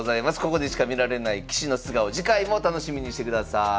ここでしか見られない棋士の素顔次回もお楽しみにしてください。